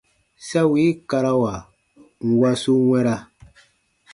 Sa wii karawa nwa su wɛ̃ra.